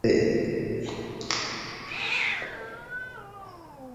هغه په خپلو زده کړو کې ډېر تکړه دی.